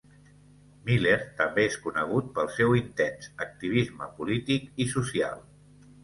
Miller també és conegut pel seu intens activisme polític i social.